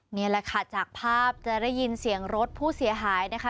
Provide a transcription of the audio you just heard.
นี่แหละค่ะจากภาพจะได้ยินเสียงรถผู้เสียหายนะคะ